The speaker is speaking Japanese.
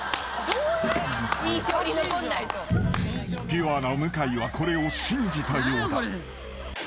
［ピュアな向井はこれを信じたようだ］